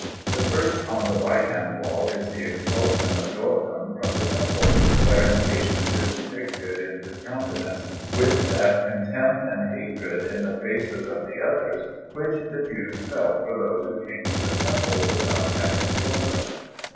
The first on the right hand wall is the Expulsion of Joachim from the Temple, wherein patience is depicted in his countenance, with that contempt and hatred in the faces of the others which the Jews felt for those who came to the Temple without having children.